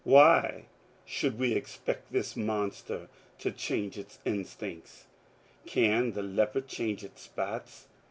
Why should we expect this monster to change its instincts ? Can the leopard change its spots